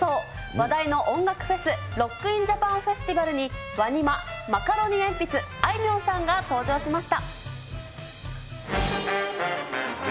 話題の音楽フェス、ロック・イン・ジャパンフェスティバルにＷＡＮＩＭＡ、マカロニえんぴつ、あいみょんさんが登場しました。